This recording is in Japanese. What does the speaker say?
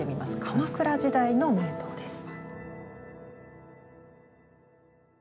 鎌倉時代の名刀です。